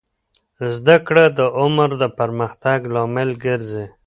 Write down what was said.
زده کړه د عمر د پرمختګ لامل ګرځي.